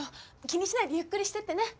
気にしないでゆっくりしてってね。